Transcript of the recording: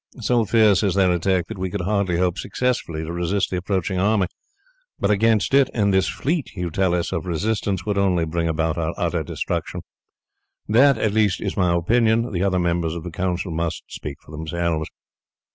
So fierce is their attack that we could hardly hope successfully to resist the approaching army, but against it and this fleet you tell us of resistance could only bring about our utter destruction. That, at least, is my opinion, the other members of the council must speak for themselves."